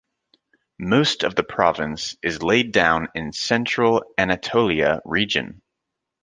Most of the province is laid down in Central Anatolia Region.